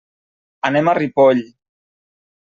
Anem a Ripoll.